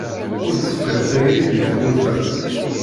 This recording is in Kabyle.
Ur d-teqqim tayri deg tmurt-a.